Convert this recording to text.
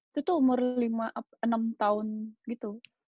itu tuh waktu umur itu tuh umur lima enam tahun gitu